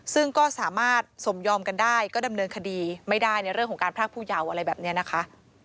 ซึ่งก็สามารถสมยอมกันได้ก็ดำเนินคดีไม่ได้ในเรื่องของการพรากผู้เยาว์อะไรแบบนี้นะคะ